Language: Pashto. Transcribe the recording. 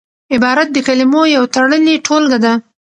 عبارت د کلمو یو تړلې ټولګه ده.